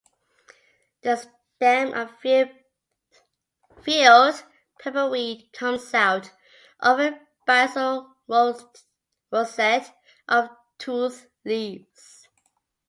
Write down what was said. The stem of field pepperweed comes out of a basal rosette of toothed leaves.